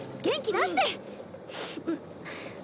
元気出して。